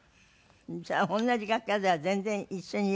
じゃあ同じ楽屋では全然一緒にいられないね。